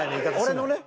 俺のね。